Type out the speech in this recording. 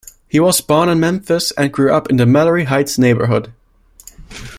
He was born in Memphis and grew up in the Mallory Heights neighborhood.